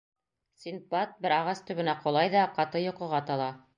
Синдбад бер ағас төбөнә ҡолай ҙа ҡаты йоҡоға тала.